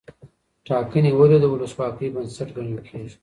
ټاکنې ولي د ولسواکۍ بنسټ ګڼل کېږي؟